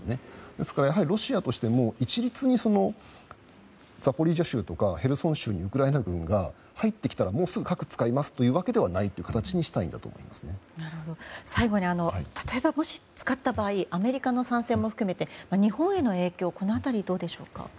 ですから、ロシアとしても一律にザポリージャ州とかヘルソン州にウクライナ軍が入ってきてら、すぐ核を使うわけではないという例えば、もし使った場合アメリカの参戦も含めて日本への影響はどうでしょうか。